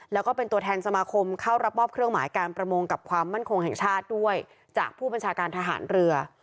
แล้วก็เป็นตัวแทนสมาคมเข้ารับมอบเครื่องหมายการประมงกับความมั่นคงแห่งชาติด้วยจากผู้บัญชาการทหารเรือ